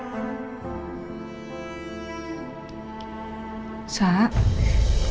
mama selalu inget semua hal tentang andi